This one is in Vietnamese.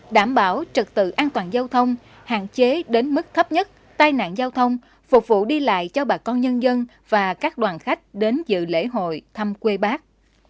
đảm bảo trật tự an toàn giao thông hạn chế đến mức thấp nhất tai nạn giao thông phục vụ đi lại cho bà con nhân dân và các đoàn khách đến dự lễ hội thăm quê bác